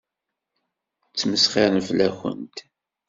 Ttmesxiṛen fell-akent.